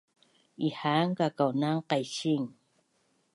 Ihaan kakaunan qaising